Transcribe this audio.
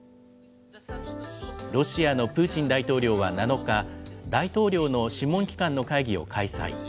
ロシアのプーチン大統領は７日、大統領の諮問機関の会議を開催。